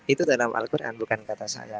itu dalam al quran bukan kata saya